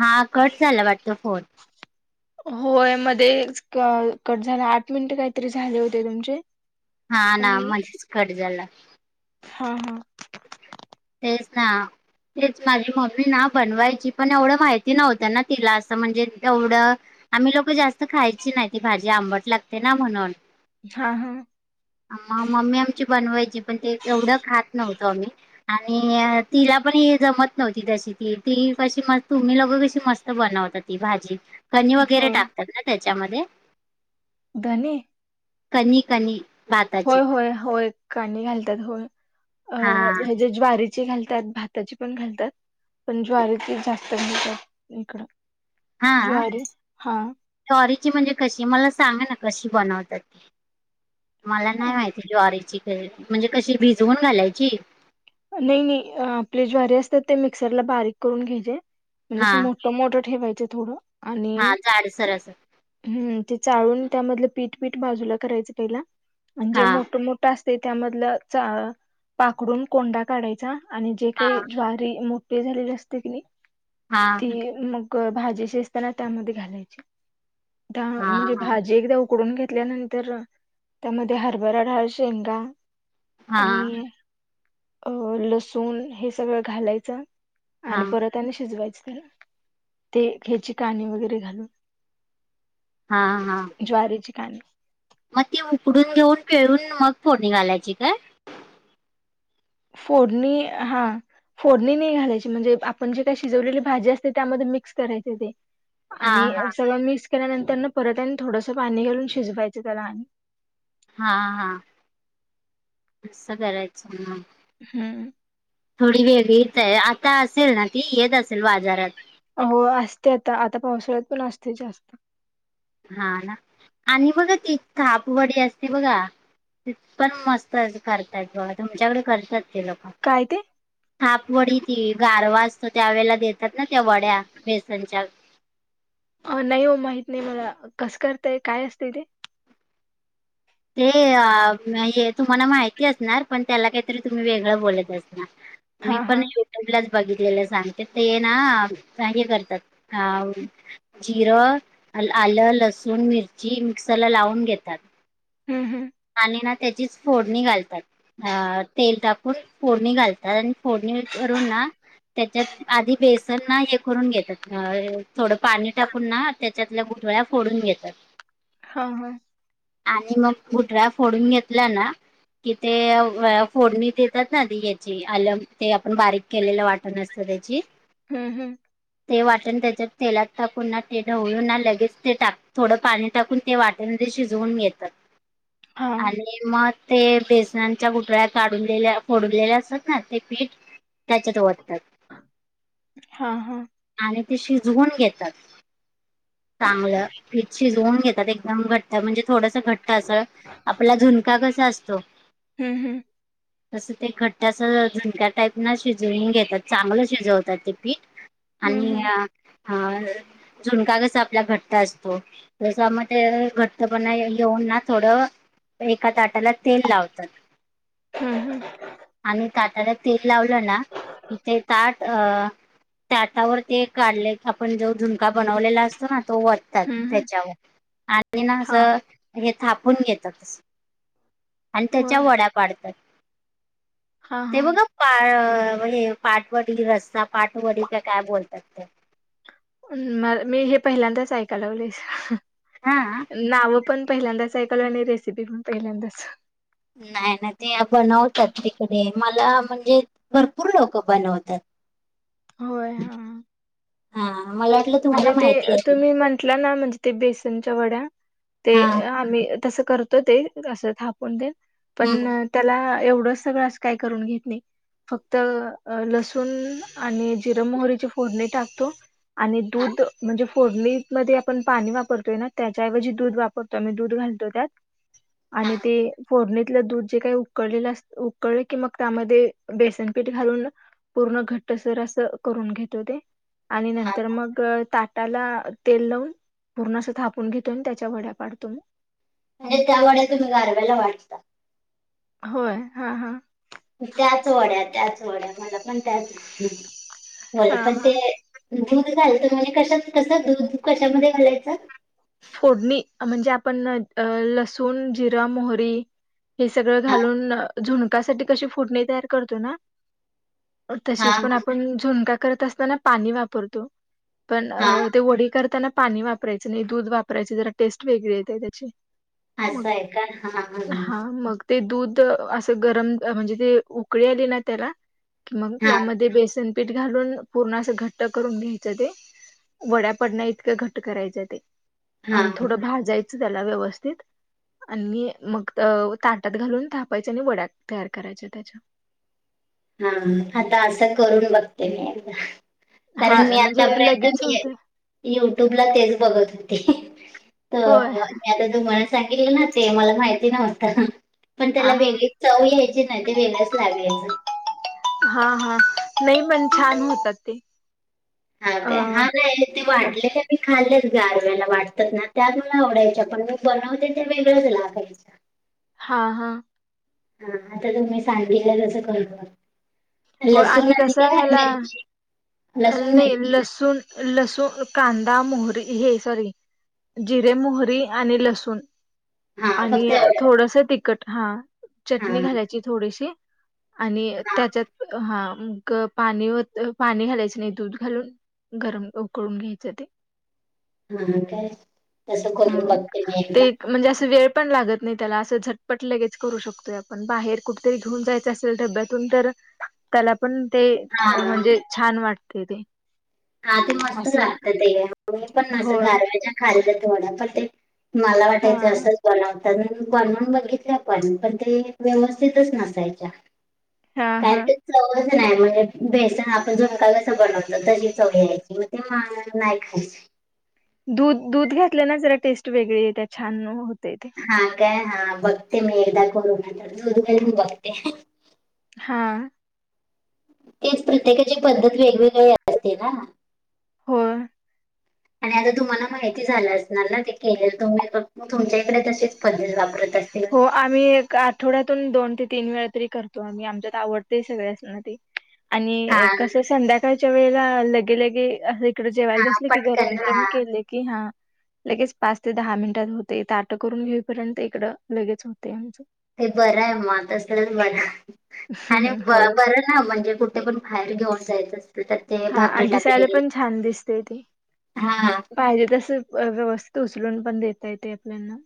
हा कट झाला वाटत फोन? होय मध्येएच क कट झाला, आट मिन्ट काईतरी झाले होते तुमचे. हा ना आणि मधेच कट झाला. हा हा हेच ना तेचना, माझी मम्मी ना बनवायची पण एवढं माहिती नव्हतं ना तिला असं म्हणजे तेवढं आम्ही लोकं जास्त खायची आंबट लागते ना? म्हणून. हा हा मा मम्मी आमची बनवायची पण ते तेवढं खात नव्हतो आम्ही. आणिई तिला पण जमत नव्हती तशी ती, ती कशी मस् तुम्ही दोघं कशी मस्त बनवतात. ती भाजी कनी वगेरे होय टाकतात ना त्याच्यामध्ये? धनी? कनी कनी. होय होय होय कणी घालतात होय हा अं हे जे ज्वारीत घालतात. भाताची पण घालतात. पण ज्वारीची टाकतात [inaudible] इकडं. ज्वारी? हा. जॉरीची म्हणजे कशी? मला सांगा ना कशी बनवतात ती? मला नाही माहिती ज्वारीची म्हणजे कशी? भिजवून घालायची? नायी, आपले ज्वारी असतात ते मिक्सरला बारीक करून घ्यायचे, म्हणजे हा असं मोठ मोठं ठेवायचं थोडं हा जाडसर असं. हं, ते चाळून त्यामधलं पीठ पीठ बाजूला करायच पहिला अन् जे हा मोटं मो असतंय त्यामधलं चा पाखडून कोंडा काढायचा आणि जे हा काही ज्वा ते मोट्टे झालेले असते कि नाही? हां मग भाजी शिजताना त्यामधे घालायचे. त्या हा म्हं हा भाजी एकदा उकडून घेतल्यानंतर त्यामध्ये हरभरा ढाळ, शेंगा हा आणि अ लसूण, हे सगळं घालायचं हा आणि परत अने शिजवायचं. त्याला ते ख्यायची काणी वगेरे घालून हा हा ज्वारेची काणी मग ती उकडून घेऊन पेरुन मग फोडणी घालायची काय? फोडणी हा फोडणी नाही घालायची, म्हणजे आपण जे काही शिजवलेली भाजी असते त्यामधे मिक्स करायचे ते. हा आनि हा सर्व मिस्क केल्यानंतर न परतनी थोडंसं पाणी घालून शिजवायचं त्याला. हा हा सगळ्यलाच म. हं थोडी गेलीचाय, आता असेल ना ती? येत असेल बाजारात. हो असते आता, आता पावसाळ्यात पण असते जास्त. हा ना? आणि बगा ती थापवडी असते बघा? पण मस्त स करता येतो. तुमच्याकडे करतात ते लोकं. काय ते? हापवडी, ती गारवा असतो. त्यावेेळेला देतात ना त्या वड्या, बेसनच्या. नाही हो, माहित नाही मला, कसं करताय काय असते ते. ते, तुम्हाला माहिती असणार, पण त्याला काहीतरी तुम्ही वेगळं, बोलत असणार. मी हा हा पण यूट्यूबच बघितलेलं सांगते, ते ना हे करतात. जिरं, आलं, लसूण, मिरची, मिक्सरला लावून घेतात. हम्, हम्, आणि ना, त्याचीच फोडणी घालतात. अ, तेल टाकून फोडणी घालतात. आणि फोडणी करून ना त्याच्यात, आधी बेसन ना. हे करून घेतात, थोडं पाणी टाकून ना, त्याच्यातल्या, गुठळ्या फोडून घेतात. हा, ह, आणि मग, गुठळ्या फोडून घेतला ना. की, ते फोडणी देतात ना? ती याची ते आलं, बारीक केलेल वाटण, असत त्याची, ह्म्म, ह्म्म, ते, वाटण त्याच्यात तेलात टाकून ना ते, ढवळू ना, लगेच ते टाक थोडं पाणी टाकून ते, वाटन मध्ये शिजवून घेतात, हा आणि मग, ते, बेसनांच्या गुठळ्या काढूनल्या, फोडूनलेल्या असतात, ना ते पीठ, त्याच्यात ओततात. हा, हा, आणि ती, शिजवून घेतात. चांगलं, पीठ शिजवून घेतात. एकदम घट्ट म्हणजे थोडसं, घट्ट अस, आपला झुणका कसा असतो? ह्म्म, ह्म्म, [inaudible] तसं ते, घट्ट अस झुणका टाईप ना, शिजवून घेतात. चांगलं शिजवता ते पीठ. हम्म आणि, हम्म ह झुणका कसा आपला घट्ट असतो. तस म ते घट्ट पणा घेऊन ना थोडं, एका ताटाला तेल लावतात. ह्म्म, ह्म्म, आणि, ताटाला तेल लावलं ना? की ते ताट अ ताटावर ते काढले, आपण जो झुणका बनवलेला असतो ना? तो वर, ओततात हम्म हम्म त्याच्यावर, आणि ना हा असं, हे थापून घेता. आणि त्याच्या होय वड्या पाडतात. हा ते, हा बघा पा हे पाठवडी रस्ता, पाठवडी का काय बोलतात, ते म, मी हे पहिल्यांदाच ऐकायला, लावलय हा नाव पण पहिल्यांदाच, एकल, आणि रेसिपी पहिल्यादाच, नाही ना, ते बनवतात तिकडे. मला म्हणजे भरपूर लोक, बनवतात. होय हा हा मला वाटलं तुम्हाला म्हणजे ते, माहिती आहे तुम्ही म्हंटला ना, म्हणजे ते बेसनच्या वड्या? ते, हा आम्ही तसं करतो ते, असं थापून ते पण, हम्म त्याला, एवढंच सगळं असं काय करून घेत नाही. फक्त, लसूण आणि, जिर मोहरीची, फोडणी टाकतो. आणि हा दूध म्हणजे फोडणीत मध्ये आपण पाणी वापरतोय ना, त्याच्या ऐवजी दूध वाप रतोय त्यात आम्ही दूध घालतो त्यात हा आणि ते फोडणीत ल दूध जे काय उकळलेलं अस उकळलं की, मग त्यामध्ये बेसनपीठ घालून पूर्ण घट्ट सर अस करून घेतो ते आणि हा नंतर मग ताटाला तेल लावून. पूर्ण अस थापून घेतो अन त्याच्या वड्या पाडतो म. म्हणजे त्या वड्या तुम्ही गारव्याला वाटता? होय. हा हा. त्याच वड्या, त्याच वड्या मला पण त्याच. मला हा पण हा ते दूध घालत म्हणजे कशात कस दूध कशामध्ये घालायचं? फोडणी म्हणजे आपण लसूण, जिरं, मोहरी हे सगळं हा घालून अ झुणकासाठी कशी फोडणी तयार करतोय ना हा तशीच पण, आपण झुणका करत असताना पाणी वापरतो. पण हा ते वडी करताना पाणी वापरायचं नाही, दूध वाप तर याची जरा टेस्ट वेगळी येते, त्याची असं मग आहे का हा हा मग. ते दूध असं गरम म्हणजे ते उकळी आली ना, त्याला मग हा त्यामध्ये बेसन पीठ घालून पूर्ण असं घट्ट करून घ्यायचं ते. वड्या पडण्या इतकं घट्ट करायचं ते. हा आणि थोडं भाजायचं त्याला व्यवस्थित. आणि मग ताटात घालून थापायचे आणि वड्या तयार करायच्या त्याच्या हा, आता असं करून बघते मी एकदा. कारण मी हां, म्हणजे आता प्रयत्न लगेच नाहीयेत. होतं. युट्यूबला तेच बघत होते, तर होय. आणि आता तुम्हाला सांगितलं ना ते, मला माहिती नव्हत. पण त्याला हां, हां. वेगळीच चव यायची ना, ते वेगळंच लागायचं. हा हा. नाही पण छान होतात ते. हा काय? हां काय? ते वाढले का मी खाल्लेत, गारव्याला वाटतात ना, त्या मला आवडायच्या, पण मी बनवते त्या वेगळच लागायच्या. हां हां. हा आता तुम्ही सांगितलं तसं करून बघते. हो लसूण आणि कसं आहे काय ह्याला मिरची, अ, लसूण नाही मिर्ची. लसूण लसूण, कांदा, मोहरी हे सॉरी जिरे, मोहरी आणि लसूण. हा फक्त आणि एवढं थोडस तिखट, हा हा चटणी घालायची थोडीशी आणि हा त्याच्यात हा मग पाणी ओत, पाणी घालायचं नाही दूध घालून गरम उकळून घ्यायचं ते. हू हू काय? तसं करून हम्म बघते मी ते एकदा. एक म्हणजे असं वेळ पण लागत नाही त्याला, असं झटपट लगेच करू शकतोय, आपण बाहेर कुठ तरी घेऊन जायचं असेल डब्यातून तर त्याला पण ते हा म्हणजे छान वाटतय ते. हा ते मस्त असं लागतात, ते मी पण असं होय गारवाच्या खाल्यात वड्या पण ते. मला वाटायचं हा असंच बनवं तरी बनवून बघितले पण, पणं ते व्यवस्थितच नसायच्या. हा हा काय ते चवच नाही म्हणजे बेसन आपण झुनका कस बनवतो तशी. चव यायची मग, ते माग नाही खायच. दूध दूध घातलं ना जरा टेस्ट वेगळी त्या छान होते ते! हा का हा बघते मी एकदा करून नाहीतर दुध घेवून बघते. हा, तेच प्रत्येकाची पद्धत वेगवेगळी असते ना! होय, [inaudible] आणि आता तुम्हाला माहिती झालं असणार ना ते केले तुम्ही म्हणून तुमच्या इकडे तशीच पद्धत वापरत. तस तेल, हो आम्ही एक आठवड्यातून दोन ते तीन वेळा तरी करतो आम्ही आमच्यात आवडतय सगळे असना ते! हा आणि कसं संध्याकाळच्या वेळेला लगेलगे अस एक, इकडे जेवायला हा बसले की गरम पटकन गरम हा केले की हा? लगेच पाच ते दहा मिनिटात होतय ताटं करून घेईपर्यंत इकडं लगेच होतय आमचं. ते बरं आहे मग तसच बर आणि ब होय बर, हा म्हणजे कुठे पण बाहेर घेऊन जायचं असत तेच. हा आणि दिसायला पण छान दिसते ते! हा पाहिजे तस व्यवस्थित उचलून पण देता येते आपल्याना.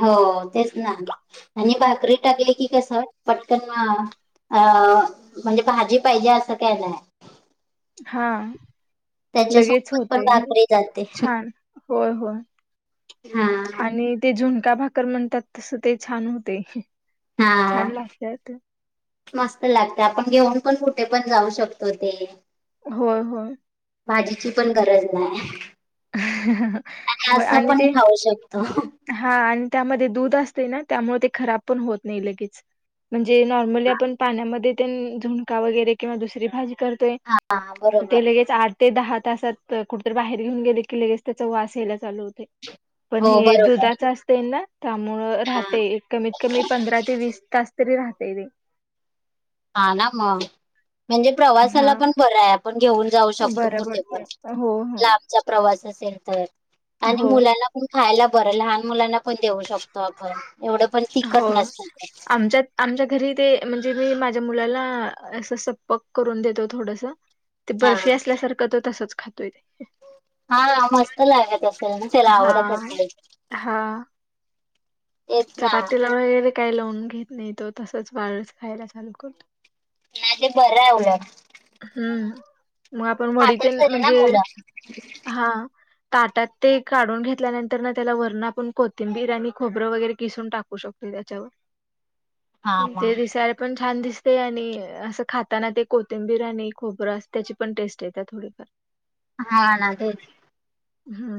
हो तेच ना आणि भाकरी टाकली की कस पटकन आ, अ म्हणजे भाजी पाहिजे असं काय नाही. हा लगेच त्याच्यासोबत पण होतय भाकरी जाते. छान होय होय. हा, आणि ते झुणका भाकर म्हणतात तसं ते छान होतय. हा, मस्त लागते आपण घेऊन पण कुठे पण जाऊ शकतो ते! होय होय, भाजीची पण गरज नाही आणि होय असं पण ते खाऊ शकतो. हा आणि त्यामध्ये दूध असते ना त्यामुळे ते खराब पण होत नाही लगेच, म्हणजे नॉर्मली आपण पाण्यामध्ये तेन झुणका वगैरे किंवा दुसरी भाजी कर. करतोय हा म बरोबर. ते लगेच आठ ते दहा तासात कुठेतरी बाहेर घेऊन गेले. की लगेच त्याचा वास यायला चालु होतंय पण हो हे बरोबर दुधाच अस त्यामुळे, हा राहते कमीत कमी पंधरा ते वीस तास तरी राहते ते. हा ना मग म्हणजे प्रवासाला हा पण बरं आहे. पण घेऊन जाऊ शकतो बरं कुठे पण पडते हो लांबचा प्रवास असेल तर? हो आणि हो मुलांना पण खायला बरं लहान मुलांना पण देऊ शकतो आपण. एवढं पण तिखट होय नसतं ते. आमच्यात, आमच्या घरी ते म्हणजे मी माझ्या मुलाला असं सपक करून देतो थोडस. ते हा बर्फी असल्यासारखं तो तसच खातोय, हा मस्त लागत असेल ना त्याला आवडत हा असेल. हा तेच ना. चपातीला वगैरे काही लावून घेत नाही तो तसच वाळच खायला चालू करतो. नाही ते बरं आहे उलटं हम्म मग आपण वडी खातात तेन तरी ना म्हणजे मुलं हा. ताटात ते काढून घेतल्यानंतर ना त्याला वरण आपण कोथिंबीर खोबरं वगैरे किसून टाकू शकतो. त्यांच्यावर, हा मग ते दिसायला पण छान दिसतय आणि असं खाताना ते कोट. कोथिंबीर आणि खोबर त्याची पण टेस्ट येत थोडेफार, हा ना ते, हा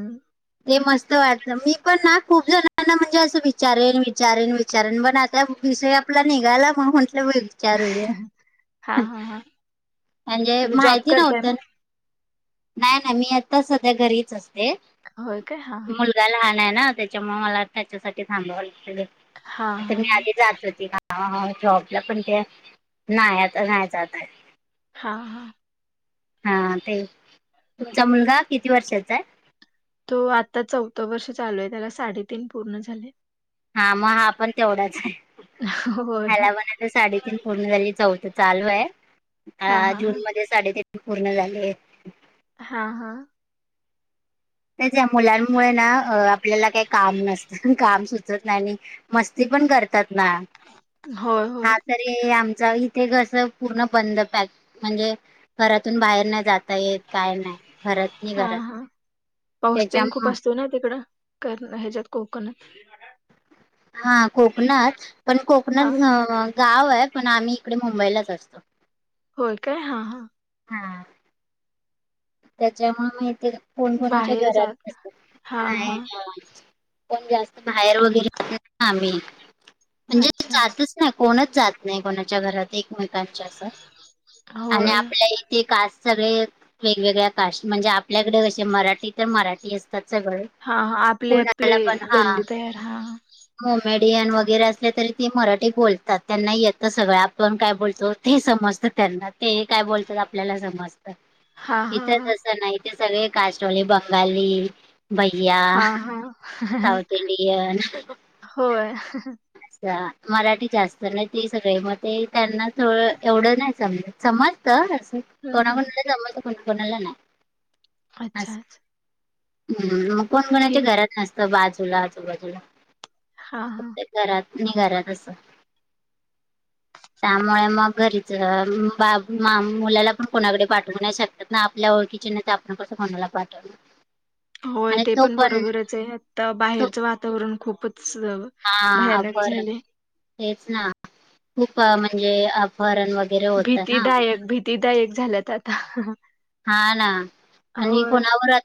ते मस्त वाटत मी पण ना खूप जणांना म्हणजे असं विचारेन विचारेन कारण पण आत्ता विषय आपला निघाला मग म्हंटलं विचारुया, हा हा हा म्हणजे तुम्ही जॉब माहिती करताय नव्हत ना नाही नाही मी आता सध्या घरीच असते होय काय हा हा. मुलगा लहान आहे ना त्याच्यामुळे मला त्याच्यासाठी थांबावं हा लागत घरी हा मी आधी जात होती कामाला हा जॉबला पण ते नाही आता नाही जातय हा हा हा ते तुमचा मुलगा किती वर्षाचा आहे? तो आता चौथं वर्ष चालू आहे त्याला साडेतीन पूर्ण झाले. हा मग हा पण तेवढाच आहे. हो ह्यालापण आता साडेतीन पूर्ण झाली चौथ चालू हा आहे हा जून हा. मध्ये साडेतीन पूर्ण झालेत हा हा त्याच या मुलांमुळे ना अ आपल्याला काही काम नसतं काम सुचत नाही मस्ती पण करतात ना होय होय हा तरी आमच इथे कस पूर्ण बंद पॅक म्हणजे घरातून बाहेर नाही जाता येत काय नाही घरात नाही हा घरात हा. पाऊस तेण खूप त्याच्यामुळ असतो ना तिकडं कर ह्याच्यात कोकणात हा कोकणात पण हा. कोकणात गाव आहे पण आम्ही इकडे मुंबईलाच असतो होय काय हा हा हा त्याच्यामुळे मग इथे कोण कोणाच्या बाहेर घरात जात हा हा. नसत पण जास्त बाहेर वगैरे पडत नाही म्हणजे अच्छा अच्छा. जातो नाही कोणच जात नाही कोणाच्या घरात एकमेकांच्या अस आणि होय. आपल्या ते काल सगळे वेगवेगळ्या कास्ट म्हणजे आपल्याकडे कसे मराठी तर मराठी असतात सगळं हा आपले आपले गल्ली आहे हा मोमेडियन वगैरे असले तरी ते मराठी बोलतात त्यांना येतं सगळं आपण काय बोलतो ते समजत त्यांना ते काय बोलतात आपल्याला समजत हा हा इथ तस नाही इथ सगळे कासले बंगाली भैया, हा हा हा हा. साऊथ इंडियन होय मराठी जास्त नाही ते सगळे मग ते त्यांना एवढं नाही सम समज हम्म, कोणा हम्म. कोणाला जमत कोणा कोणला ना अच्छा अच्छा हम् मग कोण कोणाच्या ठीक घरात नसतं बाजूला आजूबाजूला हा हा फक्त घरात आणि घरात अस त्यामुळे मग घरीच मुलाला पण कोणाकडे पाठवू नाही शकत. ना आपल्या ओळखीचे ना ते आपण कसं कोणाला पाठवलं होय ते पण बरोबरच आहे आता तो बाहेरचं वातावरण खूपच हा भयानक अफर झाले. तेच ना. खूप म्हणजे अपहरण वगैर भीतीदायक. भीतीदायक झाल्यात आता. हा ना. आणि होय कोणावर आ